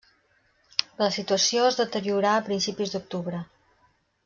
La situació es deteriorà a principis d'octubre.